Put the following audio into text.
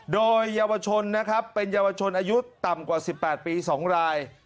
โดยเยาวชนนะครับเป็นเยาวชนอายุต่ำกว่า๑๘ปี๒ราย